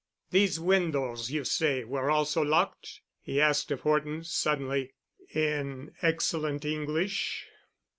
"These windows you say were also locked?" he asked of Horton suddenly, in excellent English.